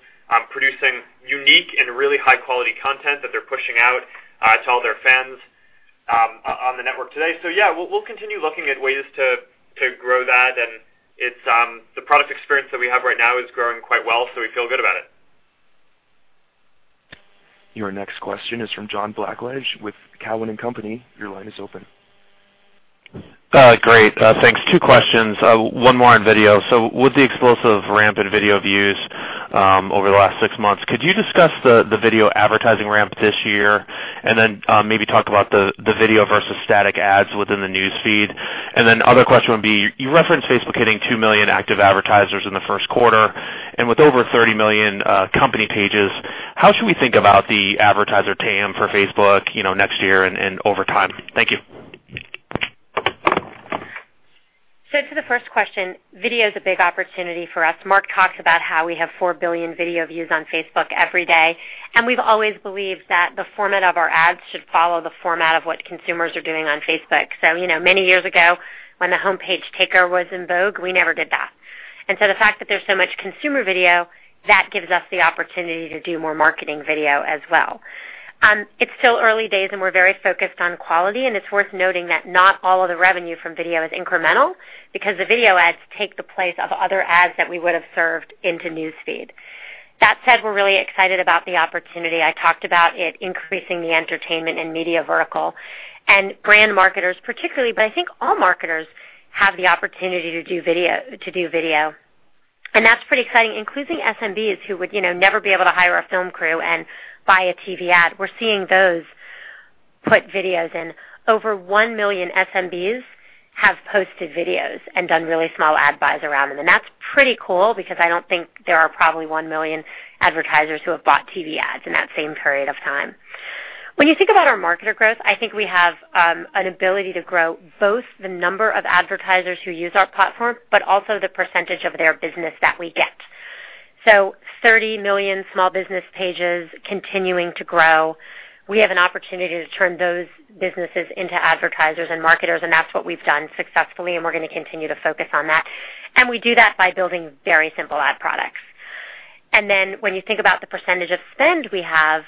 producing unique and really high-quality content that they're pushing out to all their fans on the network today. We'll continue looking at ways to grow that. The product experience that we have right now is growing quite well, we feel good about it. Your next question is from John Blackledge with Cowen and Company. Your line is open. Great. Thanks. Two questions, one more on video. With the explosive ramp in video views over the last six months, could you discuss the video advertising ramp this year? Maybe talk about the video versus static ads within the News Feed. Other question would be, you referenced Facebook hitting two million active advertisers in the first quarter. With over 30 million company pages, how should we think about the advertiser TAM for Facebook next year and over time? Thank you. To the first question, video is a big opportunity for us. Mark Zuckerberg talks about how we have 4 billion video views on Facebook every day, we've always believed that the format of our ads should follow the format of what consumers are doing on Facebook. Many years ago, when the homepage takeover was in vogue, we never did that. The fact that there's so much consumer video, that gives us the opportunity to do more marketing video as well. It's still early days and we're very focused on quality, and it's worth noting that not all of the revenue from video is incremental, because the video ads take the place of other ads that we would have served into News Feed. That said, we're really excited about the opportunity. I talked about it increasing the entertainment and media vertical and brand marketers particularly. I think all marketers have the opportunity to do video. That's pretty exciting, including SMBs, who would never be able to hire a film crew and buy a TV ad. We're seeing those put videos in. Over 1 million SMBs have posted videos and done really small ad buys around them. That's pretty cool because I don't think there are probably 1 million advertisers who have bought TV ads in that same period of time. When you think about our marketer growth, I think we have an ability to grow both the number of advertisers who use our platform, but also the percentage of their business that we get. 30 million small business pages continuing to grow. We have an opportunity to turn those businesses into advertisers and marketers, and that's what we've done successfully, and we're going to continue to focus on that. We do that by building very simple ad products. When you think about the percentage of spend we have,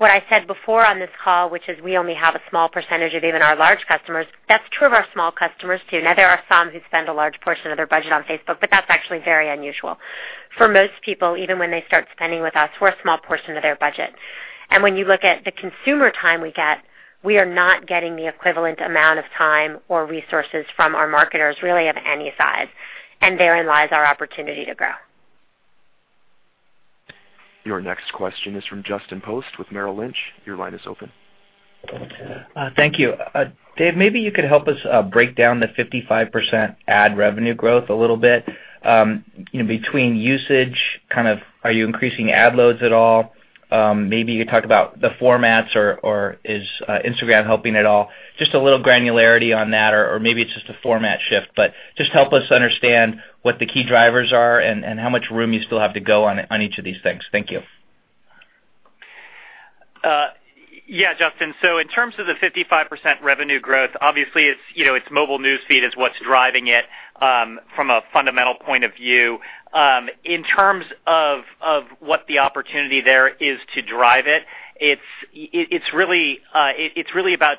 what I said before on this call, which is we only have a small percentage of even our large customers. That's true of our small customers, too. Now, there are some who spend a large portion of their budget on Facebook, but that's actually very unusual. For most people, even when they start spending with us, we're a small portion of their budget. When you look at the consumer time we get, we are not getting the equivalent amount of time or resources from our marketers, really, of any size, and therein lies our opportunity to grow. Your next question is from Justin Post with Merrill Lynch. Your line is open. Thank you. Dave, maybe you could help us break down the 55% ad revenue growth a little bit. Between usage, are you increasing ad loads at all? Maybe you talk about the formats or is Instagram helping at all? Just a little granularity on that, or maybe it's just a format shift, but just help us understand what the key drivers are and how much room you still have to go on each of these things. Thank you. Yeah, Justin. In terms of the 55% revenue growth, obviously, its mobile News Feed is what's driving it from a fundamental point of view. In terms of what the opportunity there is to drive it's really about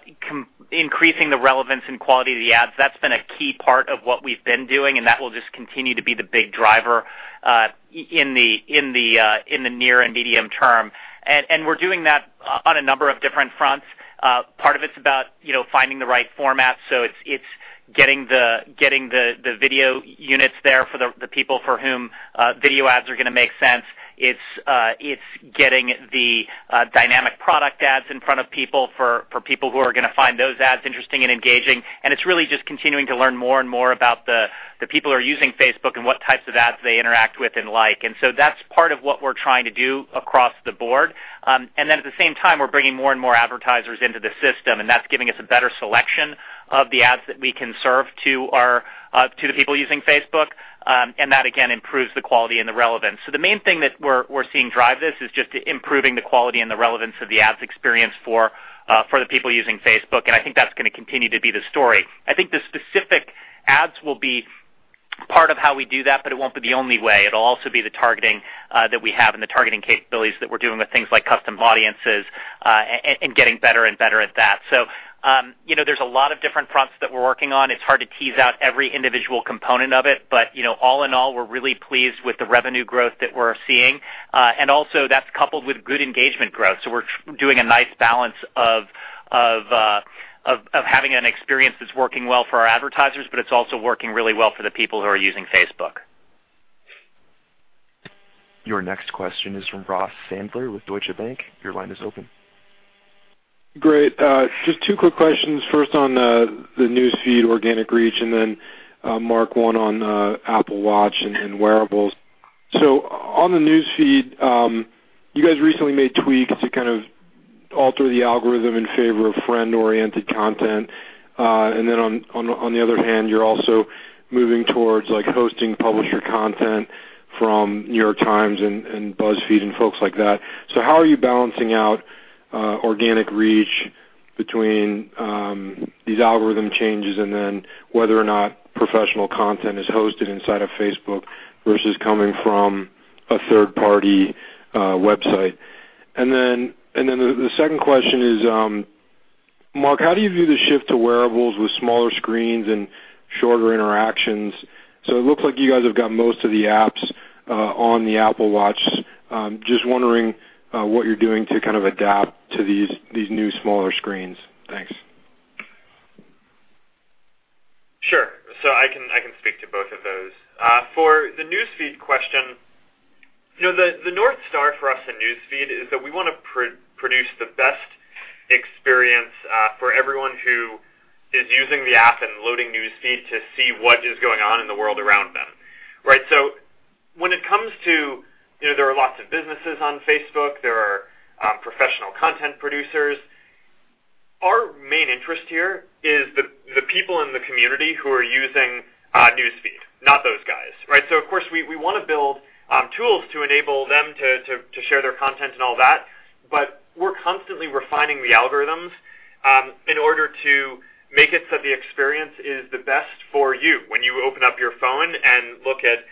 increasing the relevance and quality of the ads. That's been a key part of what we've been doing, and that will just continue to be the big driver in the near and medium term. We're doing that on a number of different fronts. Part of it's about finding the right format. It's getting the video units there for the people for whom video ads are going to make sense. It's getting the dynamic product ads in front of people for people who are going to find those ads interesting and engaging. It's really just continuing to learn more and more about the people who are using Facebook and what types of ads they interact with and like. That's part of what we're trying to do across the board. At the same time, we're bringing more and more advertisers into the system, and that's giving us a better selection of the ads that we can serve to the people using Facebook. That, again, improves the quality and the relevance. The main thing that we're seeing drive this is just improving the quality and the relevance of the ads experience for the people using Facebook. I think that's going to continue to be the story. I think the specific ads will be part of how we do that, but it won't be the only way. It'll also be the targeting that we have and the targeting capabilities that we're doing with things like Custom Audiences, and getting better and better at that. There's a lot of different fronts that we're working on. It's hard to tease out every individual component of it. All in all, we're really pleased with the revenue growth that we're seeing. Also that's coupled with good engagement growth. We're doing a nice balance of having an experience that's working well for our advertisers, but it's also working really well for the people who are using Facebook. Your next question is from Ross Sandler with Deutsche Bank. Your line is open. Great. Just two quick questions. First on the News Feed organic reach. Then Mark, one on Apple Watch and wearables. On the News Feed, you guys recently made tweaks to kind of alter the algorithm in favor of friend-oriented content. Then on the other hand, you're also moving towards hosting publisher content from The New York Times and BuzzFeed and folks like that. How are you balancing out organic reach between these algorithm changes and then whether or not professional content is hosted inside of Facebook versus coming from a third-party website? Then the second question is, Mark, how do you view the shift to wearables with smaller screens and shorter interactions? It looks like you guys have got most of the apps on the Apple Watch. Just wondering what you're doing to kind of adapt to these new smaller screens. Thanks. Sure. I can speak to both of those. For the News Feed question, the North Star for us in News Feed is that we want to produce the best For everyone who is using the app and loading News Feed to see what is going on in the world around them. When it comes to, there are lots of businesses on Facebook. There are professional content producers. Our main interest here is the people in the community who are using News Feed, not those guys. Of course, we want to build tools to enable them to share their content and all that, but we're constantly refining the algorithms in order to make it so the experience is the best for you. When you open up your phone and look at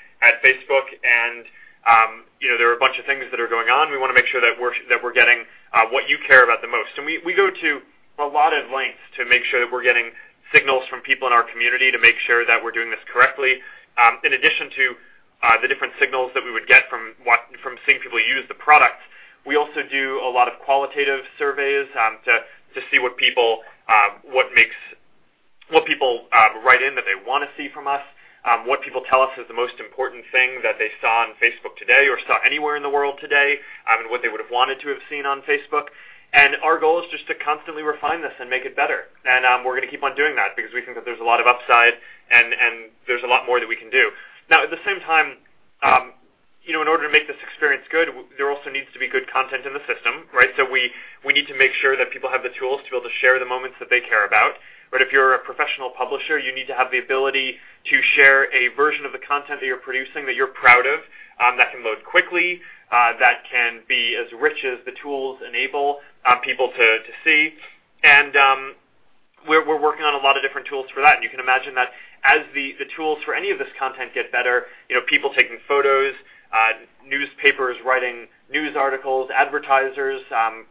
Facebook, and there are a bunch of things that are going on, we want to make sure that we're getting what you care about the most. We go to a lot of lengths to make sure that we're getting signals from people in our community to make sure that we're doing this correctly. In addition to the different signals that we would get from seeing people use the product, we also do a lot of qualitative surveys to see what people write in that they want to see from us, what people tell us is the most important thing that they saw on Facebook today, or saw anywhere in the world today, and what they would have wanted to have seen on Facebook. Our goal is just to constantly refine this and make it better. We're going to keep on doing that because we think that there's a lot of upside and there's a lot more that we can do. At the same time, in order to make this experience good, there also needs to be good content in the system. We need to make sure that people have the tools to be able to share the moments that they care about. If you're a professional publisher, you need to have the ability to share a version of the content that you're producing, that you're proud of, that can load quickly, that can be as rich as the tools enable people to see. We're working on a lot of different tools for that. You can imagine that as the tools for any of this content get better, people taking photos, newspapers writing news articles, advertisers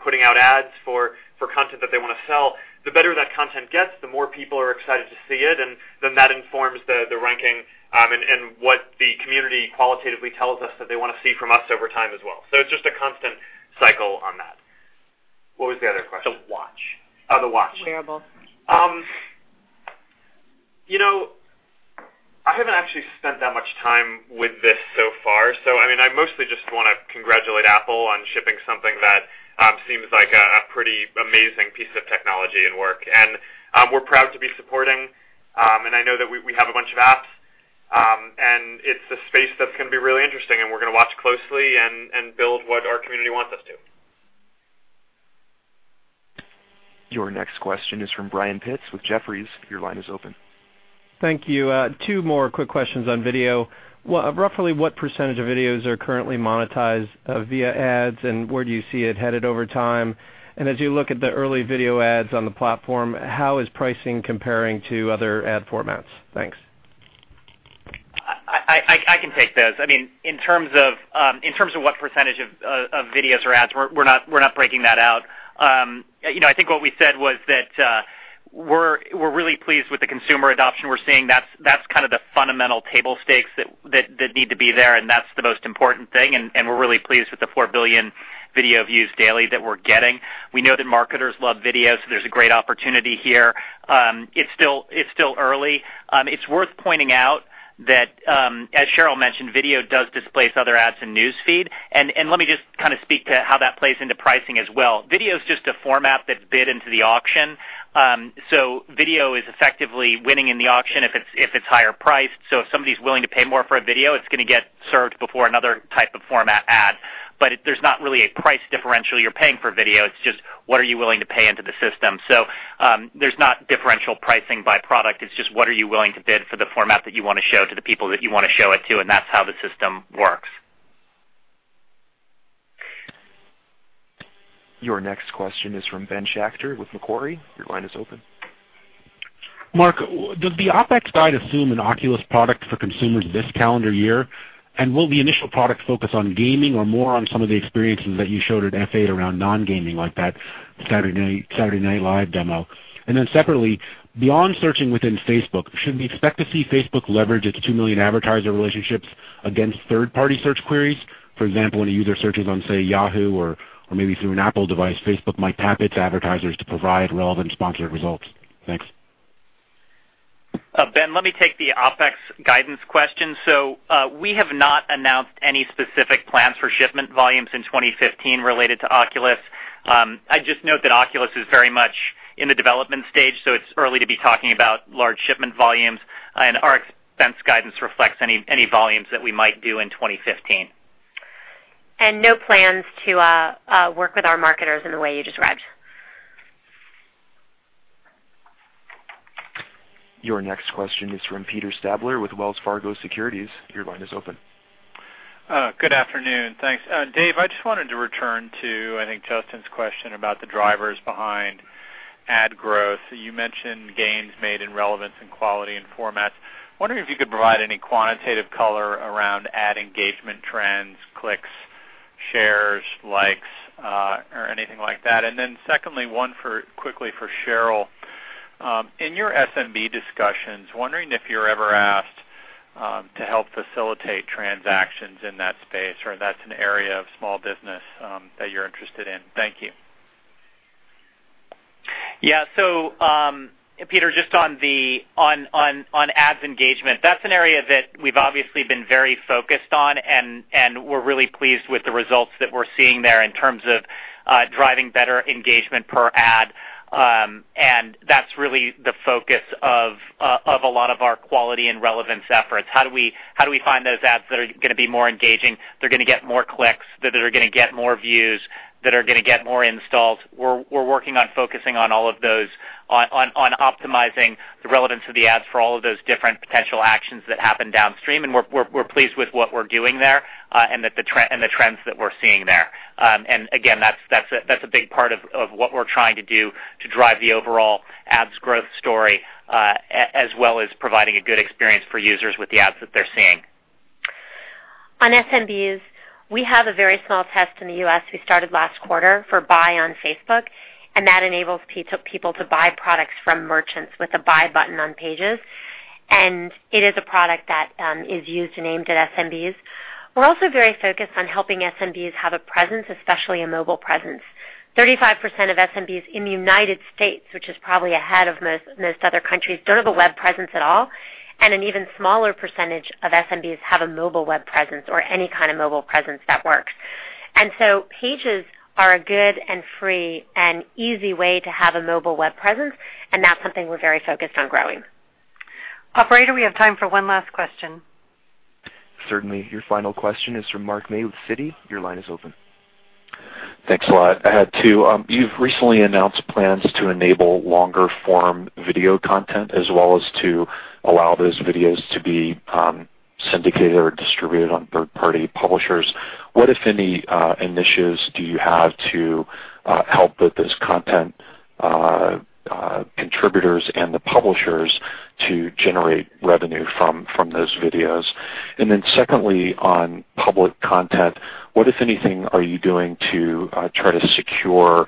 putting out ads for content that they want to sell, the better that content gets, the more people are excited to see it. That informs the ranking and what the community qualitatively tells us that they want to see from us over time as well. It's just a constant cycle on that. What was the other question? The Watch. Oh, the Watch. Wearable. I haven't actually spent that much time with this so far. I mostly just want to congratulate Apple on shipping something that seems like a pretty amazing piece of technology and work. We're proud to be supporting, and I know that we have a bunch of apps. It's a space that's going to be really interesting, and we're going to watch closely and build what our community wants us to. Your next question is from Brian Pitz with Jefferies. Your line is open. Thank you. Two more quick questions on video. Roughly what percentage of videos are currently monetized via ads, and where do you see it headed over time? As you look at the early video ads on the platform, how is pricing comparing to other ad formats? Thanks. I can take those. In terms of what % of videos are ads, we're not breaking that out. I think what we said was that we're really pleased with the consumer adoption we're seeing. That's kind of the fundamental table stakes that need to be there, and that's the most important thing, and we're really pleased with the 4 billion video views daily that we're getting. We know that marketers love video, so there's a great opportunity here. It's still early. It's worth pointing out that, as Sheryl mentioned, video does displace other ads in News Feed. Let me just kind of speak to how that plays into pricing as well. Video is just a format that's bid into the auction. Video is effectively winning in the auction if it's higher priced. If somebody's willing to pay more for a video, it's going to get served before another type of format ad. There's not really a price differential you're paying for video. It's just what are you willing to pay into the system. There's not differential pricing by product. It's just what are you willing to bid for the format that you want to show to the people that you want to show it to, and that's how the system works. Your next question is from Ben Schachter with Macquarie. Your line is open. Mark, does the OPEX guide assume an Oculus product for consumers this calendar year? Will the initial product focus on gaming or more on some of the experiences that you showed at F8 around non-gaming, like that Saturday Night Live demo? Separately, beyond searching within Facebook, should we expect to see Facebook leverage its 2 million advertiser relationships against third-party search queries? For example, when a user searches on, say, Yahoo or maybe through an Apple device, Facebook might tap its advertisers to provide relevant sponsored results. Thanks. Ben, let me take the OpEx guidance question. We have not announced any specific plans for shipment volumes in 2015 related to Oculus. I'd just note that Oculus is very much in the development stage, it's early to be talking about large shipment volumes, and our expense guidance reflects any volumes that we might do in 2015. No plans to work with our marketers in the way you described. Your next question is from Peter Stabler with Wells Fargo Securities. Your line is open. Good afternoon. Thanks. Dave, I just wanted to return to, I think, Justin's question about the drivers behind ad growth. You mentioned gains made in relevance and quality and formats. Wondering if you could provide any quantitative color around ad engagement trends, clicks, shares, likes, or anything like that. Secondly, one quickly for Sheryl. In your SMB discussions, wondering if you're ever asked to help facilitate transactions in that space, or that's an area of small business that you're interested in. Thank you. Yeah. Peter, just on ads engagement, that's an area that we've obviously been very focused on, and we're really pleased with the results that we're seeing there in terms of. Driving better engagement per ad. That's really the focus of a lot of our quality and relevance efforts. How do we find those ads that are going to be more engaging, that are going to get more clicks, that are going to get more views, that are going to get more installs? We're working on focusing on all of those, on optimizing the relevance of the ads for all of those different potential actions that happen downstream. We're pleased with what we're doing there, and the trends that we're seeing there. Again, that's a big part of what we're trying to do to drive the overall ads growth story, as well as providing a good experience for users with the ads that they're seeing. On SMBs, we have a very small test in the U.S. we started last quarter for Buy on Facebook, that enables people to buy products from merchants with a buy button on Pages. It is a product that is used and aimed at SMBs. We're also very focused on helping SMBs have a presence, especially a mobile presence. 35% of SMBs in the United States, which is probably ahead of most other countries, don't have a web presence at all, and an even smaller percentage of SMBs have a mobile web presence or any kind of mobile presence that works. Pages are a good and free and easy way to have a mobile web presence, and that's something we're very focused on growing. Operator, we have time for one last question. Certainly. Your final question is from Mark May with Citi. Your line is open. Thanks a lot. I had two. You've recently announced plans to enable longer form video content, as well as to allow those videos to be syndicated or distributed on third-party publishers. What, if any, initiatives do you have to help with those content contributors and the publishers to generate revenue from those videos? Then secondly, on public content, what, if anything, are you doing to try to secure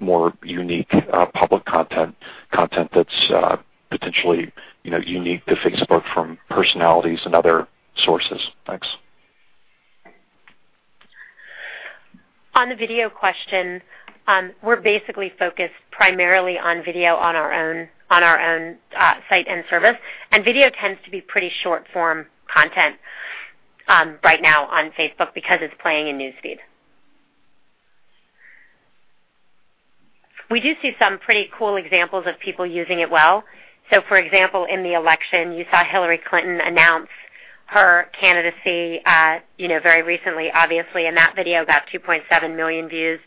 more unique public content that's potentially unique to Facebook from personalities and other sources? Thanks. On the video question, we're basically focused primarily on video on our own site and service. Video tends to be pretty short-form content right now on Facebook because it's playing in News Feed. We do see some pretty cool examples of people using it well. For example, in the election, you saw Hillary Clinton announce her candidacy very recently, obviously. That video got 2.7 million views.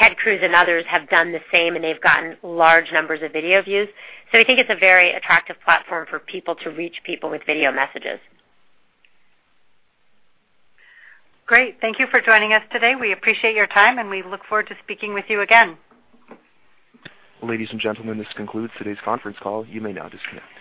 Ted Cruz and others have done the same, and they've gotten large numbers of video views. We think it's a very attractive platform for people to reach people with video messages. Great. Thank you for joining us today. We appreciate your time, and we look forward to speaking with you again. Ladies and gentlemen, this concludes today's conference call. You may now disconnect.